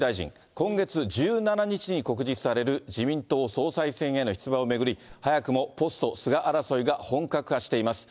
今月１７日に告示される自民党総裁選への出馬を巡り、早くもポスト菅争いが本格化しています。